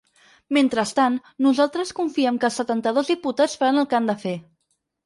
Mentrestant, nosaltres confiem que els setanta-dos diputats faran el que han de fer.